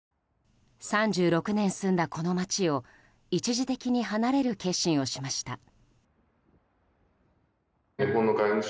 ３６年住んだこの街を一時的に離れる決心をしました。